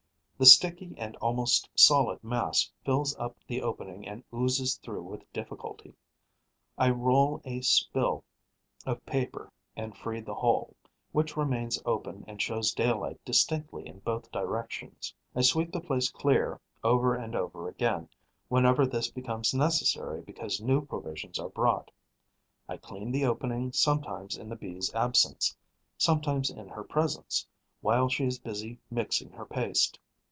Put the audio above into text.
The sticky and almost solid mass fills up the opening and oozes through with difficulty. I roll a spill of paper and free the hole, which remains open and shows daylight distinctly in both directions. I sweep the place clear over and over again, whenever this becomes necessary because new provisions are brought; I clean the opening sometimes in the Bee's absence, sometimes in her presence, while she is busy mixing her paste.